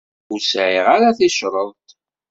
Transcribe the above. Ur sɛiɣ ara ticreḍt.